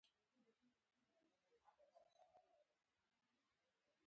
ډرامه د رښتیني ژوند مثال دی